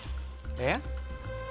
えっ？